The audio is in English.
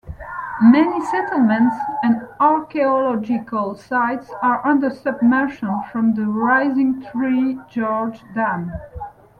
Many settlements and archaeological sites are under submersion from the rising Three Gorges Dam.